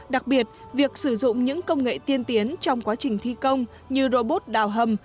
đặc biệt việc sử dụng những công nghệ tiên tiến trong quá trình thi công như robot đào hầm